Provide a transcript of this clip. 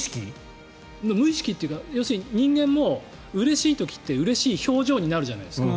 無意識というか要するに人間もうれしい時ってうれしい表情になるじゃないですか。